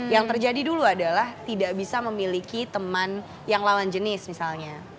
yang terjadi dulu adalah tidak bisa memiliki teman yang lawan jenis misalnya